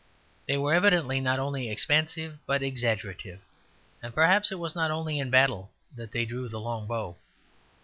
They were evidently not only expansive but exaggerative; and perhaps it was not only in battle that they drew the long bow.